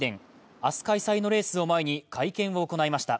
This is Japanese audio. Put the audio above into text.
明日開催のレースを前に会見を行いました。